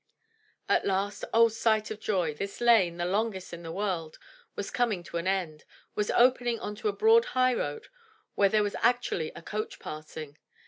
At last — oh, sight of joy! — ^this lane, the longest in the world, was coming to an end, was opening on a broad highroad where there was actually a coach passing!